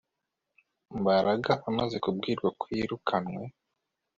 Mbaraga amaze kubwirwa ko yirukanwe